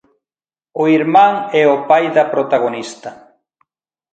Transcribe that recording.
O irmán e o pai da protagonista.